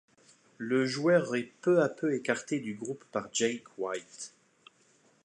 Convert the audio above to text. Le joueur est peu à peu écarté du groupe par Jake White.